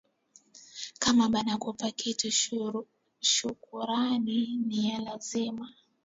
Kama banakupa kitu shukurani niya lazima